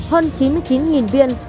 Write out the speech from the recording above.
hơn chín mươi chín viên